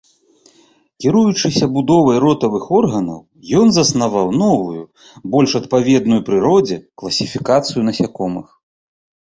Кіруючыся будовай ротавых органаў, ён заснаваў новую, больш адпаведную прыродзе, класіфікацыю насякомых.